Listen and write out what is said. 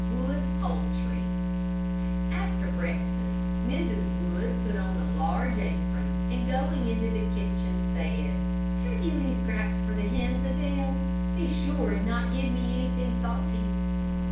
WOOD'S POULTRY After breakfast, Mrs. Wood put on a large apron, and going into the kitchen, said: "Have you any scraps for the hens, Adele? Be sure and not give me anything salty."